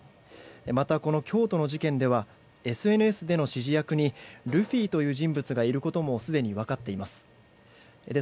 また、京都の事件ではＳＮＳでの指示役にルフィという人物がいることもすでに分かっています。